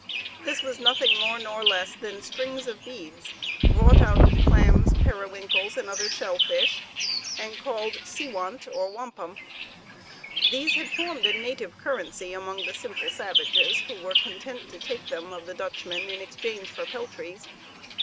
This was nothing more nor less than strings of beads wrought out of clams, periwinkles, and other shell fish, and called seawant or wampum. These had formed a native currency among the simple savages, who were content to take them of the Dutchmen in exchange for peltries.